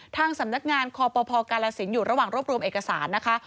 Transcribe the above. ทางสำนักงานคอปภกาลสินอยู่ระหว่างรวบรวมเอกสารนะคะ